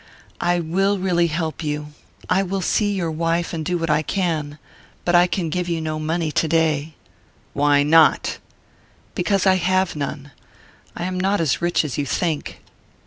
"I will really help you I will see your wife and do what I can but I can give you no money today." "Why not?" "Because I have none. I am not as rich as you think."